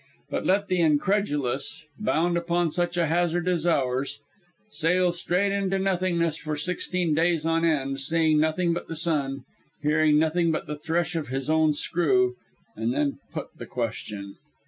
But let the incredulous bound upon such a hazard as ours sail straight into nothingness for sixteen days on end, seeing nothing but the sun, hearing nothing but the thresh of his own screw, and then put the question.